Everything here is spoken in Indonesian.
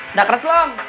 nggak keras blom